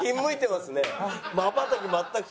まばたき